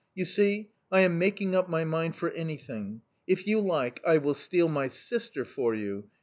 'You see, I am making up my mind for anything. If you like, I will steal my sister for you!